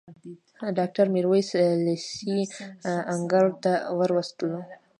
ډاکټر میرویس لېسې انګړ ته وروستلو.